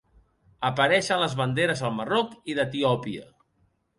Apareix en les banderes del Marroc i d'Etiòpia.